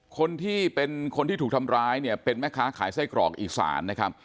คนที่เป็นคนที่ถูกทำร้ายเนี่ยเป็นแม่ค้าขายไส้กรอกอีสานนะครับ